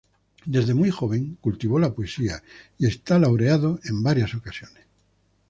Desde muy joven cultivó la poesía y es laureado en varias ocasiones.